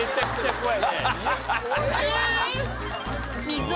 怖い。